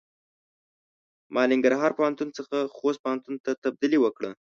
ما له ننګرهار پوهنتون څخه خوست پوهنتون ته تبدیلي وکړۀ.